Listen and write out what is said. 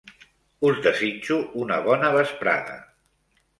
Us desitjo una bona vesprada.